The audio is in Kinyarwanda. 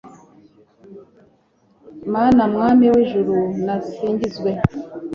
mana mwami w'ijuru, nasingizwe